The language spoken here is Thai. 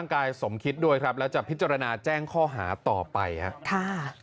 ครับผมมันนอนนึงเดียวมันนอนนึงเดียว